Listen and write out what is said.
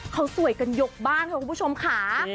เขาสวยกันยกบ้านค่ะคุณผู้ชมค่ะ